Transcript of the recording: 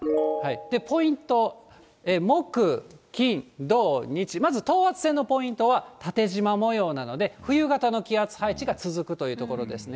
ポイント、木、金、土、日、まず等圧線のポイントは縦じま模様なので、冬型の気圧配置が続くというところですね。